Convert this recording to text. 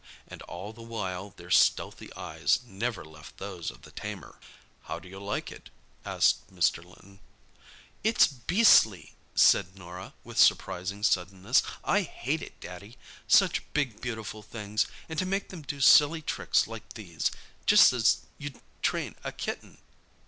And all the while their stealthy eyes never left those of the tamer. "How do you like it?" asked Mr. Linton. "It's beastly!" said Norah, with surprising suddenness. "I hate it, Daddy. Such big, beautiful things, and to make them do silly tricks like these; just as you'd train a kitten!"